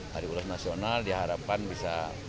hari ular nasional diharapkan bisa